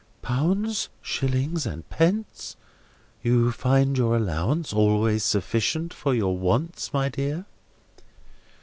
"'Pounds, shillings, and pence.' You find your allowance always sufficient for your wants, my dear?"